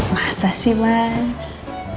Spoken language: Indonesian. masa sih mas